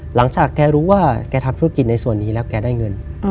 หลังจากแกรู้ว่าแกทำธุรกิจในส่วนนี้แล้วแกได้เงิน